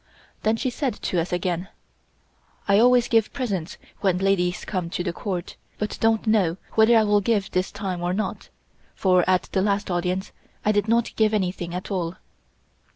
Then she said to us again: "I always give presents when ladies come to the Court, but don't know whether I will give this time or not, for at the last audience I did not give anything at all."